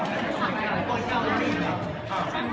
ขอบคุณแม่ก่อนต้องกลางนะครับ